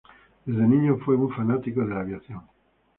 Desde niño fue un fanático de la aviación.